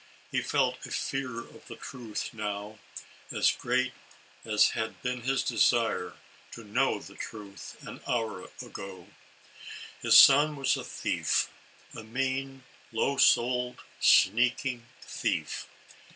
He felt a fear of the truth, now, as great as had been his desire to know the truth an hour ago. His son was a thief, a mean, low souled sneaking thief.